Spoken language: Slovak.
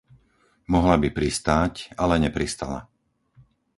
Mohla by pristáť, ale nepristala.